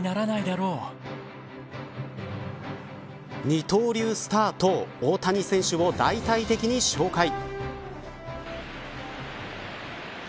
二刀流スターと大谷選手を大々的に紹介。